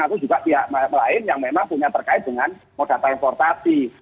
atau juga pihak lain yang memang punya terkait dengan modal transportasi